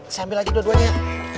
saya ambil lagi dua duanya